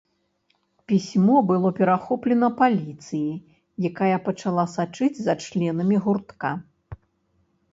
Пісьмо было перахоплена паліцыяй, якая пачала сачыць за членамі гуртка.